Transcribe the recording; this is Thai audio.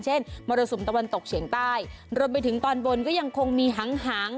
มรสุมตะวันตกเฉียงใต้รวมไปถึงตอนบนก็ยังคงมีหางหาง